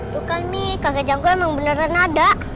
tuh kan mi kakek canggul emang beneran ada